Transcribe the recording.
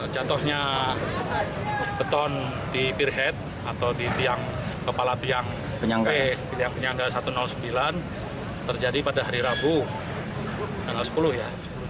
jatuhnya beton di pirhead atau di tiang kepala tiang penyangga satu ratus sembilan terjadi pada hari rabu tanggal sepuluh ya